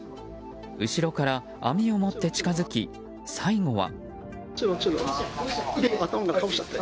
後ろから網を持って近づき最後は。